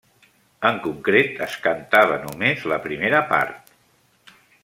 En concret, es cantava només la primera part.